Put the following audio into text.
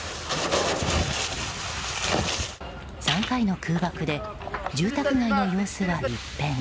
３回の空爆で住宅街の様子は一変。